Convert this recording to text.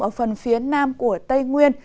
ở phần phía nam của tây nguyên